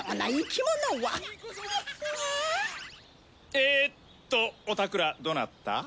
えっとおたくらどなた？